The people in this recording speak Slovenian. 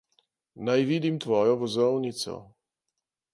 Naj vidim tvojo vozovnico.